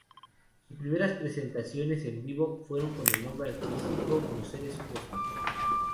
Sus primeras presentaciones en vivo fueron con el nombre artístico "Los Seres Cósmicos".